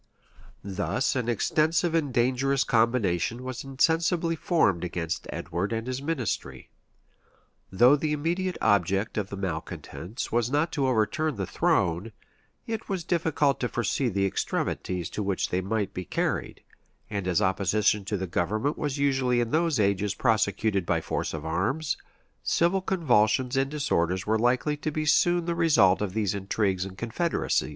[] Thus an extensive and dangerous combination was insensibly formed against Edward and his ministry. Though the immediate object of the malecontents was not to overturn the throne, it was difficult to foresee the extremities to which they might be carried: and as opposition to government was usually in those ages prosecuted by force of arms, civil convulsions and disorders were likely to be soon the result of these intrigues and confederacies.